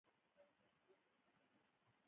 بسونه په هر ځای کې ګرځي.